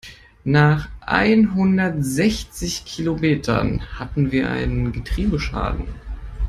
Nach einhundertsechzig Kilometern hatten wir einen Getriebeschaden.